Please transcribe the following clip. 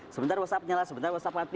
sebentar whatsapp nyala sebentar whatsapp mati